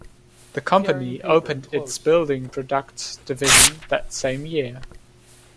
The company opened its building products division that same year.